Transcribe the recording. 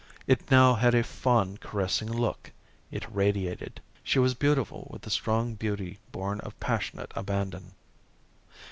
It now had a fond caressing look. It radiated. She was beautiful with the strong beauty born of passionate abandon.